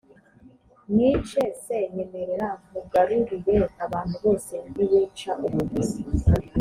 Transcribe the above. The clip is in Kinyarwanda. mwice c nyemerera nkugarurire abantu bose niwica uwo